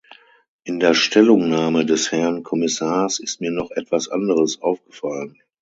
In der Stellungnahme des Herrn Kommissars ist mir noch etwas anderes aufgefallen.